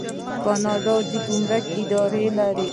کاناډا د ګمرک اداره لري.